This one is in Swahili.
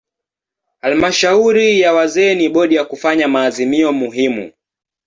Halmashauri ya wazee ni bodi ya kufanya maazimio muhimu.